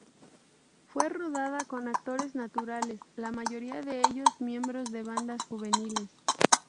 Fue rodada con actores naturales, la mayoría de ellos miembros de bandas juveniles.